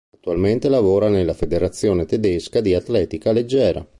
Attualmente lavora nella federazione tedesca di atletica leggera.